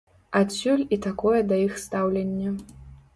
Адсюль і такое да іх стаўленне.